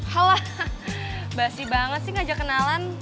halo basi banget sih ngajak kenalan